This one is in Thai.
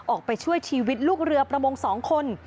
ออกไปช่วยชีวิตลูกเรือประมง๒คน